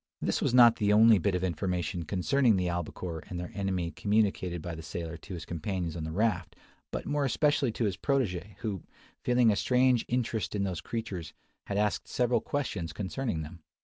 This was not the only bit of information concerning the albacore and their enemy communicated by the sailor to his companions on the raft, but more especially to his protege, who, feeling a strange interest in those creatures, had asked several questions concerning them.